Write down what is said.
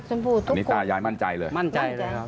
นี่ตายายมั่นใจเลยมั่นใจเลยครับ